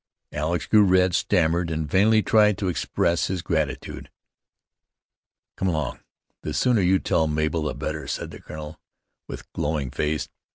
Alex grew red, stammered, and vainly tried to express his gratitude. "Come along, the sooner you tell Mabel the better," said the colonel with glowing face.